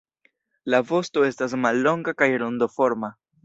La vosto estas mallonga kaj rondoforma.